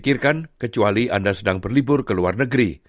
pikirkan kecuali anda sedang berlibur ke luar negeri